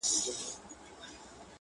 د غلا په جرم به باچاصاحب محترم نيسې،